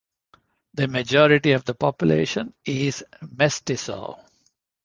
The majority of the population is Mestizo.